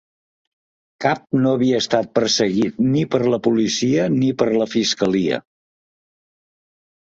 Cap no havia estat perseguit ni per la policia ni per la fiscalia.